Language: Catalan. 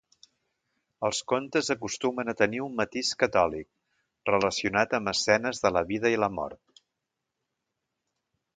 Els contes acostumen a tenir un matís catòlic, relacionat amb escenes de la vida i la mort.